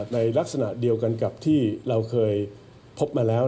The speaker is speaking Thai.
ในลักษณะเดียวกันกับที่เราเคยพบมาแล้ว